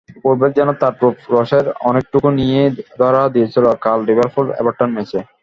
Football যেন তার রূপ-রসের অনেকটুকু নিয়েই ধরা দিয়েছিল কাল লিভারপুল-এভারটন ম্যাচে।